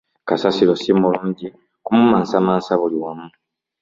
Kasasiro si mulungi kumansamansa buli wamu.